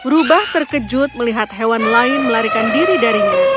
rubah terkejut melihat hewan lain melarikan diri darinya